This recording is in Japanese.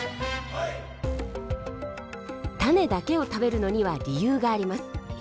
種だけを食べるのには理由があります。